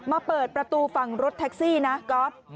เปิดประตูฝั่งรถแท็กซี่นะก๊อฟ